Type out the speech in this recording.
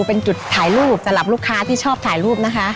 เป็นจุดถ่ายรูปสำหรับลูกค้าที่ชอบถ่ายรูปนะคะ